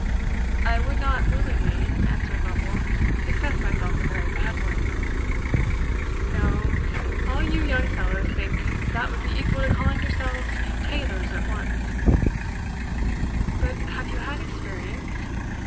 "I would not willingly," answered Lovel, "confess myself a very bad one." "No all you young fellows think that would be equal to calling yourselves tailors at once But have you had experience?